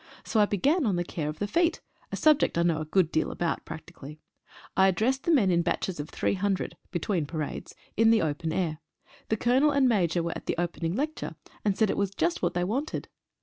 So I began on the care of the feet, a subject I know a good deal about practically. I addressed the men in batches of 300 (between parades) in the open air. The Colonel and Major were at the opening lecture, and said it was just what they wanted.